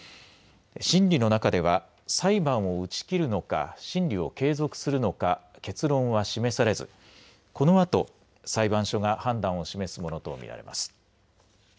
審理の中では裁判を打ち切るのか審理を継続するのか結論は示されずこのあと裁判所が判断を示すものと見られます。